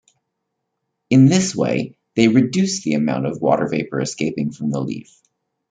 In this way, they reduce the amount of water vapour escaping from the leaf.